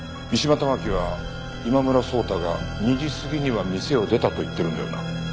三島環は今村草太が２時過ぎには店を出たと言ってるんだよな？